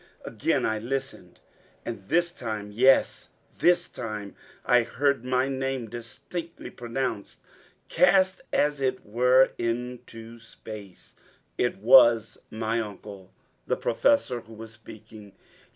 Again I listened; and this time yes, this time I heard my name distinctly pronounced: cast as it were into space. It was my uncle, the Professor, who was speaking.